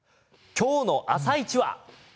今日の「あさイチ」は。